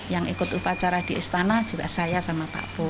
yang ikut upacara di istana juga saya sama pak pu